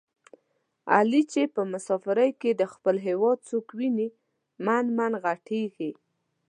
علي چې په مسافرۍ کې د خپل هېواد څوک وویني من من ِغټېږي.